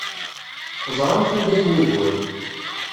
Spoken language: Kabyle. Teẓramt anda-t wugur.